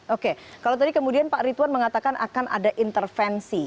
oke kalau tadi kemudian pak rituan mengatakan akan ada intervensi